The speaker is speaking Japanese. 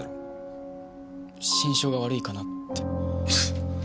心証が悪いかなって。